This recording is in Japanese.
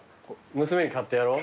娘に買ってやろう。